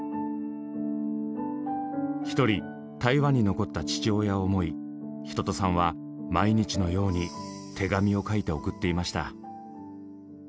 一人台湾に残った父親を思い一青さんは毎日のように手紙を書いて送っていました。